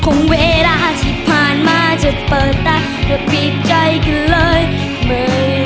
คงเวลาที่ผ่านมาเฝอะเปิดตาและปิดใจกันเลยเหมือน